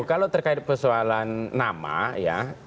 kalau terkait persoalan nama ya